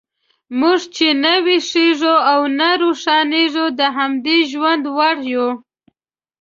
موږ چې نه ویښیږو او نه روښانیږو، د همدې ژوند وړ یو.